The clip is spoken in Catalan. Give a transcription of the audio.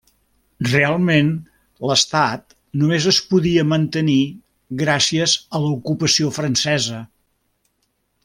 Realment l'estat només es podia mantenir gràcies a l'ocupació francesa.